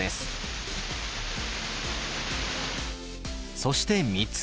そして３つ目。